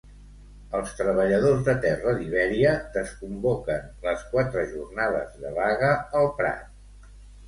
Els treballadors de terra d'Iberia desconvoquen les quatre jornades de vaga al Prat.